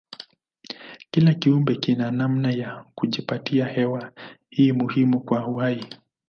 Kila kiumbe kina namna ya kujipatia hewa hii muhimu kwa uhai.